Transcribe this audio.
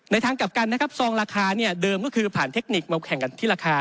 ในทางกลับกันซองราคาเดิมก็คือผ่านเทคนิคมาแข่งกันที่ราคา